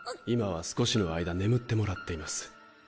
今は少しの間眠ってもらっています。